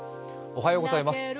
おはようございます。